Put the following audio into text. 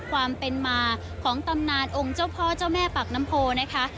ความเป็นมาของตำนานองค์เจ้าพ่อเจ้าแม่ปากน้ำโพนะคะ